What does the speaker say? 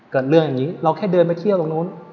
เกิดเรื่องอย่างนี้เราแค่เดินมาเที่ยวตรงนู้น